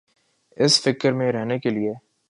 اس فکر میں رہنے کیلئے۔